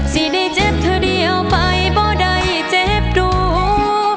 สิได้เจ็บเธอเดียวไปบ่ได้เจ็บดู